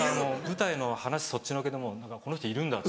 舞台の話そっちのけでもう「この人いるんだ」